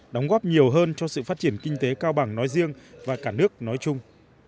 đóng góp nhiều hơn cho sự phát triển kinh tế cao bằng nói riêng và cả nước nói chung